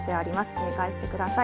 警戒してください。